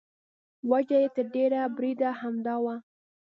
وجه یې تر ډېره بریده همدا وه.